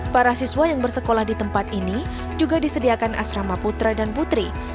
para siswa yang bersekolah di tempat ini juga disediakan asrama putra dan putri